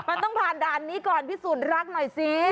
มันต้องผ่านด่านนี้ก่อนพิสูจน์รักหน่อยสิ